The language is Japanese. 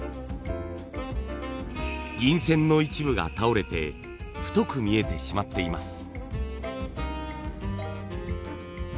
銀線の一部が倒れて太く見えてしまっています。